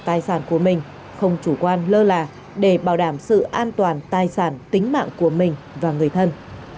tài sản của mình không chủ quan lơ là để bảo đảm sự an toàn tài sản tính mạng của mình và người thân